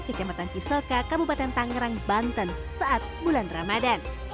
kejamaatan kisoka kabupaten tangerang banten saat bulan ramadan